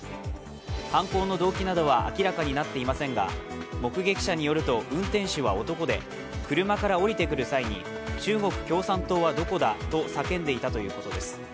犯行の動機などは明らかになっていませんが目撃者によると運転手は男で車から降りてくる際に中国共産党はどこだと叫んでいたということです。